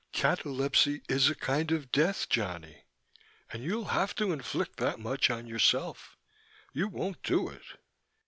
"Catalepsy is a kind of death, Johnny. And you'll have to inflict that much on yourself. You won't do it."